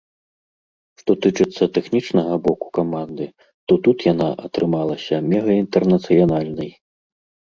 Што тычыцца тэхнічнага боку каманды, то тут яна атрымалася мегаінтэрнацыянальнай.